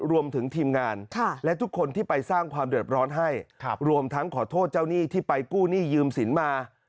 รวมถึงทีมงานและทุกคนที่ไปสร้างความเดือดร้อนให้รวมทั้งขอโทษเจ้าหนี้ที่ไปกู้หนี้ยืมสินมา